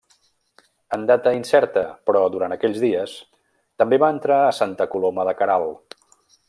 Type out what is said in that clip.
En data incerta, però durant aquells dies, també va entrar a Santa Coloma de Queralt.